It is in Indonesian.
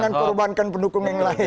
jangan kurbankan pendukung yang lain